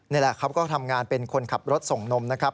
นี่แหละเขาก็ทำงานเป็นคนขับรถส่งนมนะครับ